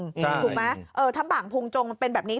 ถูกไหมถ้าบ่างพุงจงมันเป็นแบบนี้